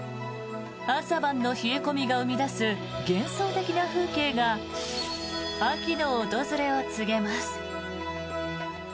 朝晩の冷え込みが生み出す幻想的な風景が秋の訪れを告げます。